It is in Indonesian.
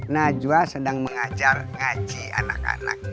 najwa sedang mengajar ngaji anak anak